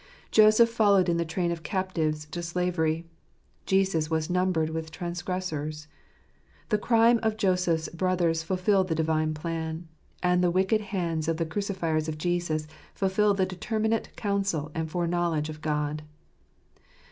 Joseph followed in the train of captives to slavery; Jesus was numbered with transgressors. The crime of Joseph's brothers fulfilled the Divine plan; and the wicked hands of the crucifiers of Jesus fulfilled the determinate counsel and foreknowledge of God.